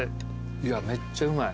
いやめっちゃうまい。